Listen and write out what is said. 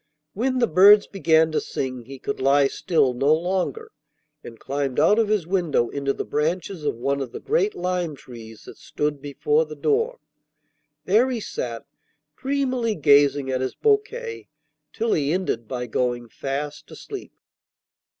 When the birds began to sing he could lie still no longer, and climbed out of his window into the branches of one of the great lime trees that stood before the door. There he sat, dreamily gazing at his bouquet till he ended by going fast asleep.